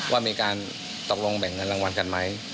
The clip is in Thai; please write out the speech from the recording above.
ว่ามีการตกลงแบ่งเงินรางวัลกันไหม